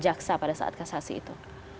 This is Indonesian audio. jaksa pada saat kasasi itu